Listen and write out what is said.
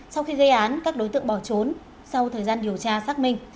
sau khi gây án các đối tượng bỏ trốn sau thời gian điều tra xác minh